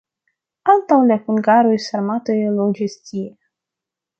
Antaŭ la hungaroj sarmatoj loĝis tie.